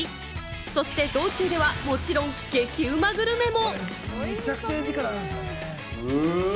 そして道中ではもちろん激ウマグルメも。